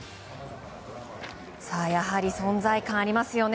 やはり存在感ありますよね。